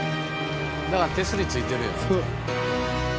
だから手すりついてるよね。